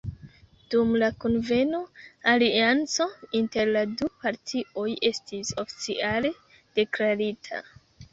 Dum la kunveno, alianco inter la du partioj estis oficiale deklarita.